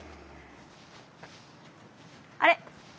あれ？